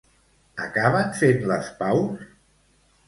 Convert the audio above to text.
Acaben fent les paus?